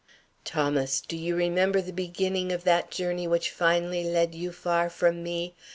Thomas, do you remember the beginning of that journey which finally led you far from me?